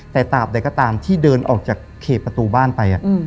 แต่ตามใดก็ตามที่เดินออกจากเขตประตูบ้านไป